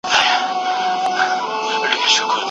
په جګړه کي ډیر مالونه لاسته راځي.